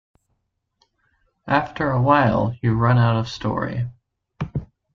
After a while, you run out of story.